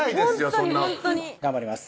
そんな頑張ります